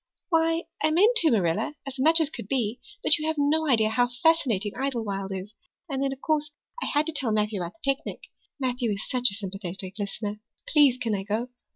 "Why, I meant to, Marilla, as much as could be. But you have no idea how fascinating Idlewild is. And then, of course, I had to tell Matthew about the picnic. Matthew is such a sympathetic listener. Please can I go?"